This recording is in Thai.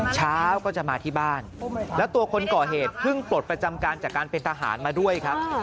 เช้าก็จะมาที่บ้านแล้วตัวคนก่อเหตุเพิ่งปลดประจำการจากการเป็นทหารมาด้วยครับ